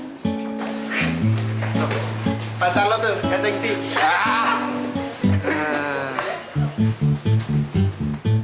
pak calo tuh gak seksi